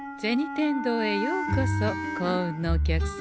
天堂へようこそ幸運のお客様。